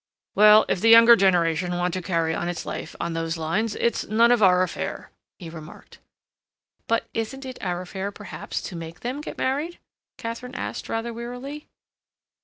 "Well, if the younger generation want to carry on its life on those lines, it's none of our affair," he remarked. "But isn't it our affair, perhaps, to make them get married?" Katharine asked rather wearily.